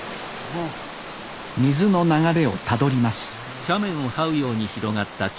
水の流れをたどります